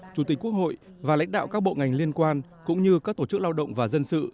chủ tịch quốc hội và lãnh đạo các bộ ngành liên quan cũng như các tổ chức lao động và dân sự